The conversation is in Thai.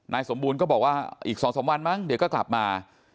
สมบูรณ์ก็บอกว่าอีก๒๓วันมั้งเดี๋ยวก็กลับมา